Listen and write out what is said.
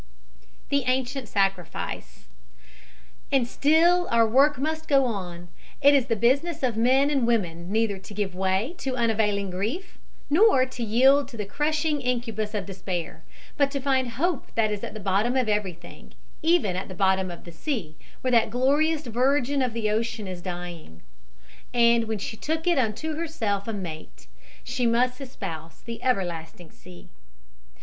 THE ANCIENT SACRIFICE And still our work must go on. It is the business of men and women neither to give way to unavailing grief nor to yield to the crushing incubus of despair, but to find hope that is at the bottom of everything, even at the bottom of the sea where that glorious virgin of the ocean is dying. "And when she took unto herself a mate She must espouse the everlasting sea."